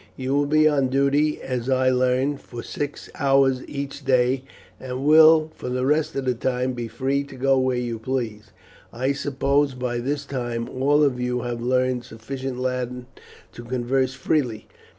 You will be on duty, as I learn, for six hours each day, and will for the rest of the time be free to go where you please. I suppose by this time all of you have learned sufficient Latin to converse freely.